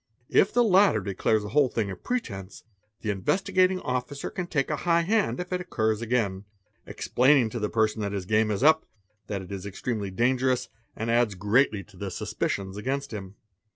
If the latter declares _ the whole thing a pretence, the Investigating Officer can take a high hand if it occurs again, explaining to the person that his game is up, that it is ex tremely dangerous, and adds greatly to the suspicions against him.